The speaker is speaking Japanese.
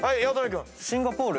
シンガポール。